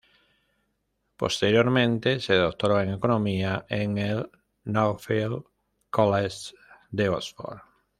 Posteriormente se doctoró en Economía en el Nuffield College de Oxford.